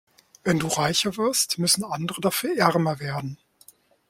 Wenn du reicher wirst, müssen andere dafür ärmer werden.